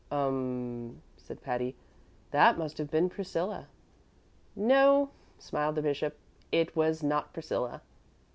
'" "Um m," said Patty; "that must have been Priscilla." "No," smiled the bishop, "it was not Priscilla.